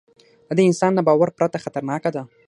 دا د انسان له باور پرته خطرناکه ده.